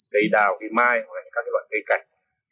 cây đào cây mai các loại cây cạch